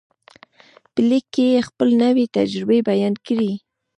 په لیک کې یې خپلې نوې تجربې بیان کړې